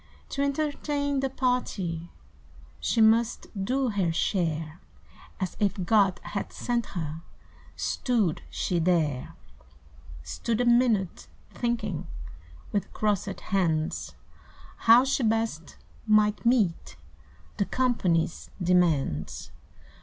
To entertain the party She must do her share, As if God had sent her Stood she there; Stood a minute, thinking, With crossed hands How she best might meet the Company's demands.